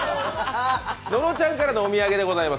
野呂ちゃんからのお土産でございます。